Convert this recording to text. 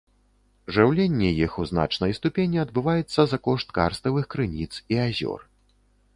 Жыўленне іх у значнай ступені адбываецца за кошт карставых крыніц і азёр.